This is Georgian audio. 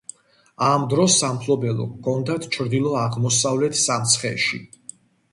ამ დროს სამფლობელო ჰქონდათ ჩრდილო-აღმოსავლეთ სამცხეში.